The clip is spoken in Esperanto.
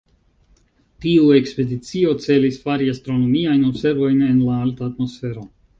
Tiu ekspedicio celis fari astronomiajn observojn en la alta atmosfero.